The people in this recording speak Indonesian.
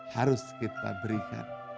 harus kita berikan